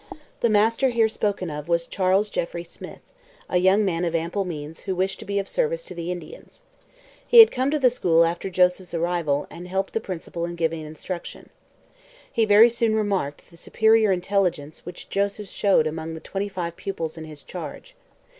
The master here spoken of was Charles Jeffrey Smith, a young man of ample means who wished to be of service to the Indians. He had come to the school after Joseph's arrival and helped the principal in giving instruction. He very soon remarked the superior intelligence which Joseph showed among the twenty five pupils in his charge.